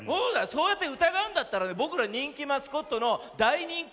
そうやってうたがうんだったらねぼくらにんきマスコットのだいにんきコマーシャル